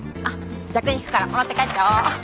逆に引くからもらって帰っちゃおう。